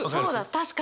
確かに。